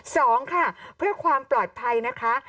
สองค่ะเพื่อความปลอดภัยนะคะ